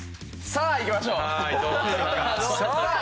さぁ行きましょう！